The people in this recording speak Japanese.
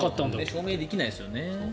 証明できないですよね。